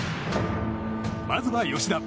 まずは、吉田。